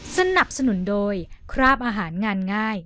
สนับสนุนโดยคราบอาหารงานง่าย